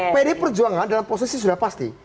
pdi perjuangan dalam posisi sudah pasti